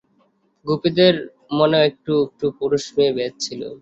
গোপীদের মনেও একটু একটু পুরুষ-মেয়ে ভেদ ছিল।